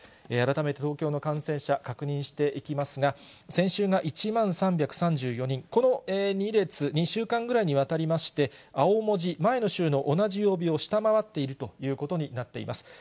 改めて東京の感染者、確認していきますが、先週が１万３３４人、この２列、２週間ぐらいにわたりまして、青文字、前の週の同じ曜日を下回っているということになっています。